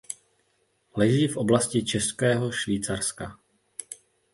Leží v oblasti Českého Švýcarska.